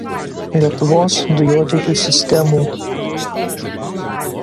Lietuvos dujotiekių sistemų.